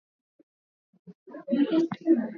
sera ya ujerumani ya kinazi iliongozwa na hitler